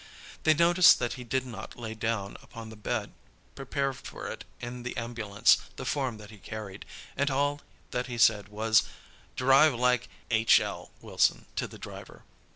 They noticed that he did not lay down upon the bed prepared for it in the ambulance the form that he carried, and all that he said was: "Drive like h––––l, Wilson," to the driver.